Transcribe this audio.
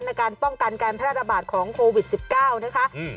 ในการป้องกันการแพร่ระบาดของโควิด๑๙นะคะ